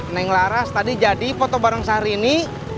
neng laras tadi jadi foto bareng sehari ini